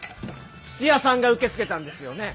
土屋さんが受け付けたんですよね？